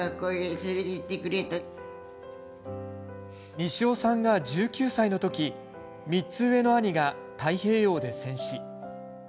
西尾さんが１９歳の時３つ上の兄が太平洋で戦死。